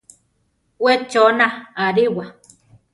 We chona ariwa.